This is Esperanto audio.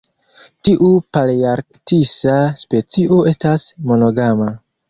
Tiu palearktisa specio estas monogama.